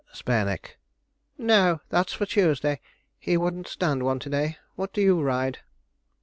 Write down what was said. Spareneck. 'No, that's for Tuesday. He wouldn't stand one to day. What do you ride?'